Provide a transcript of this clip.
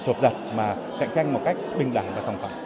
thuộc dật mà cạnh tranh một cách bình đẳng và sòng phẳng